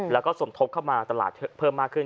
แล้วก็สมทบเข้ามาตลาดเพิ่มมากขึ้น